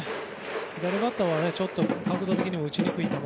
左バッターはちょっと角度的にも打ちにくい球。